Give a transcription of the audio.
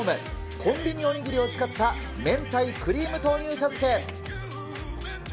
コンビニおにぎりを使った明太クリーム豆乳茶漬け。